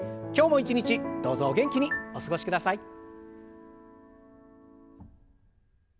今日も一日どうぞお元気にお過ごしください。